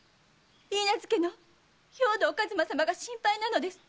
許婚の兵藤数馬様が心配なのです。